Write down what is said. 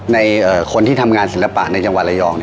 ในคนที่ทำงานศิลปะในจังหวัดระยอง